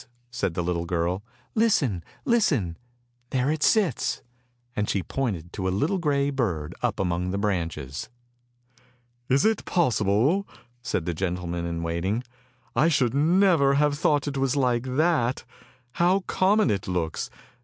" said the little girl. " Listen, listen, there it sits! " and she pointed to a little grey bird up among the branches. " Is it possible? " said the gentleman in waiting. " I should never have thought it was like that. How common it looks.